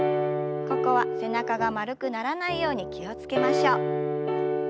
ここは背中が丸くならないように気を付けましょう。